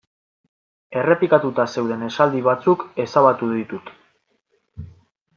Errepikatuta zeuden esaldi batzuk ezabatu ditut.